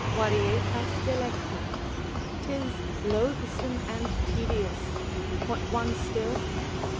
Varietas delectat, 'tis loathsome and tedious, what one still?